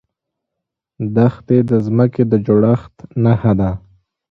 دښتې د ځمکې د جوړښت نښه ده.